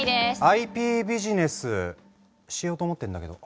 ＩＰビジネスしようと思ってんだけど。